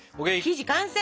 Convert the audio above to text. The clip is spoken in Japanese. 生地完成！